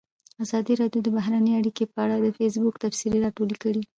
ازادي راډیو د بهرنۍ اړیکې په اړه د فیسبوک تبصرې راټولې کړي.